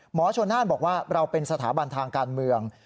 หมอชนน่านบอกว่าเราเป็นสถาบันทางการเมือง